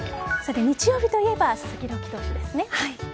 日曜日といえば佐々木朗希投手ですね。